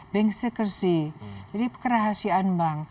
bank securcy jadi kerahasiaan bank